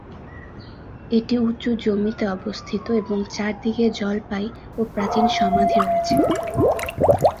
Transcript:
এটি উঁচু জমিতে অবস্থিত এবং চারদিকে জলপাই ও প্রাচীন সমাধি রয়েছে।